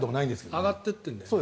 上がっていっているんだよね。